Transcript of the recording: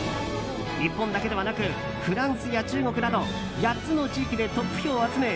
日本だけでなくフランスや中国など８つの地域でトップ票を集め